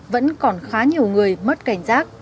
vẫn còn khá nhiều người mất cảnh giác